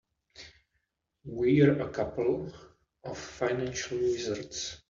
We're a couple of financial wizards.